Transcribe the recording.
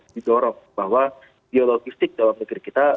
didorong bahwa biaya logistik dalam negeri kita